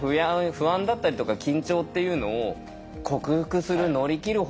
不安だったりとか緊張っていうのを克服する乗り切る